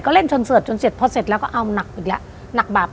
ก็เล่นคอนเสิร์ตจนเสร็จพอเสร็จแล้วก็เอาหนักอีกแล้วหนักบาป